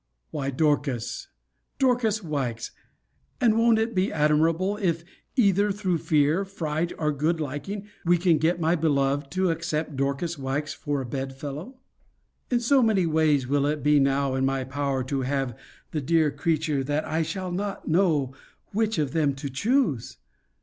Why, Dorcas, Dorcas Wykes. And won't it be admirable, if, either through fear, fright, or good liking, we can get my beloved to accept of Dorcas Wykes for a bed fellow? In so many ways will it be now in my power to have the dear creature, that I shall not know which of them to choose!